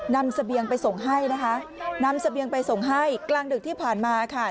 นำเสบียงไปส่งให้กลางดึกที่ผ่านมา